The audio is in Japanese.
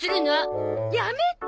やめて！